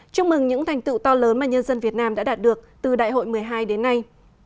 chúc mừng những thành tựu to lớn mà nhân dân việt nam đã đạt được từ đại hội một mươi hai đến nay